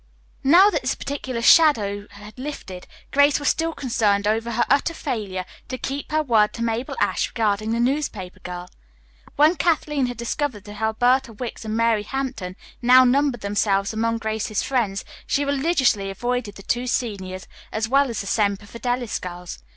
Now that this particular shadow had lifted, Grace was still concerned over her utter failure to keep her word to Mabel Ashe regarding the newspaper girl. When Kathleen had discovered that Alberta Wicks and Mary Hampton now numbered themselves among Grace's friends, she religiously avoided the two seniors as well as the Semper Fidelis girls.